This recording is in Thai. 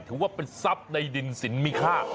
ถือว่าเป็นทรัพย์ในดินสินมีค่า